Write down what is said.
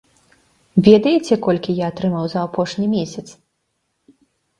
Ведаеце, колькі я атрымаў за апошні месяц?